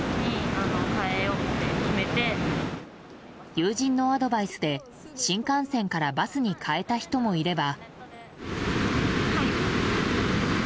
友人のアドバイスで新幹線からバスに変えた人もいれば。